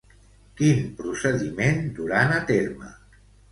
Quin procediment duran a terme?